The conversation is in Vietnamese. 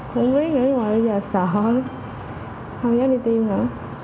không biết nghĩ gì mà bây giờ sợ không dám đi tiêm nữa